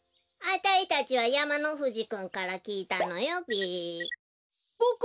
あたいたちはやまのふじくんからきいたのよべ。